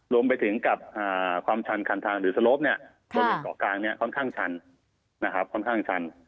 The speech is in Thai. รวมไปถึงกับความชันคันทางหรือสโลปผลิตเกาะกลางค่อนข้างชัน